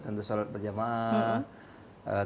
tentu sholat berjamaah